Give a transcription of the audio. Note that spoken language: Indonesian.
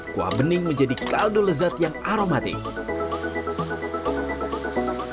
kuah bening menjadi kaldu lezat yang aromatik